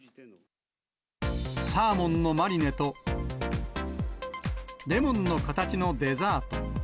サーモンのマリネと、レモンの形のデザート。